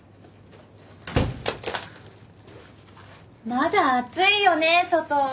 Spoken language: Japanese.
まだ暑いよね外。